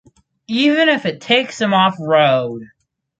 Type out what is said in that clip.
Even if it takes him off road.